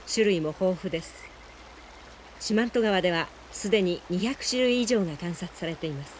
四万十川では既に２００種類以上が観察されています。